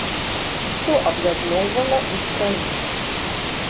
Што аб'ядноўвала іх траіх?